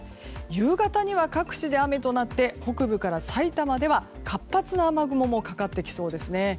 夕方には各地で雨となって北部からさいたまでは活発な雨雲もかかってきそうですね。